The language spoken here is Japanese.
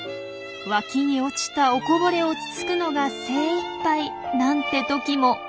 脇に落ちたおこぼれをつつくのが精いっぱいなんてときも。